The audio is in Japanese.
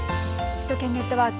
首都圏ネットワーク。